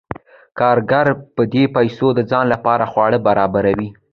کارګر په دې پیسو د ځان لپاره خواړه برابروي